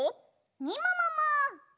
みももも！